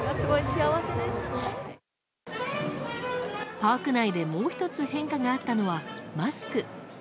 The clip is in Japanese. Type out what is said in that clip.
パーク内で、もう１つ変化があったのはマスク。